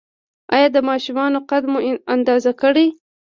ایا د ماشومانو قد مو اندازه کړی؟